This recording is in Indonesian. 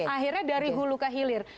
akhirnya dari hulu ke hilir